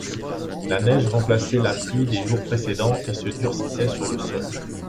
La neige remplaçait la pluie des jours précédents et se durcissait sur le sol.